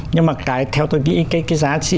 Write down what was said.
nhưng mà cái theo tôi nghĩ cái giá trị